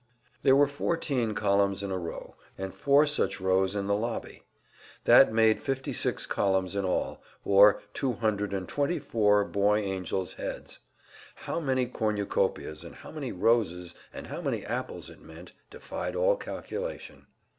There were fourteen columns in a row, and four such rows in the lobby. That made fifty six columns in all, or two hundred and twenty four boy angels' heads. How many cornucopias and how many roses and how many apples it meant, defied all calculation.